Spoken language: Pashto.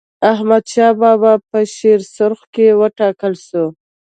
احمدشاه بابا په شیرسرخ کي و ټاکل سو.